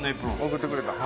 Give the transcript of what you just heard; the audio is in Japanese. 送ってくれたん？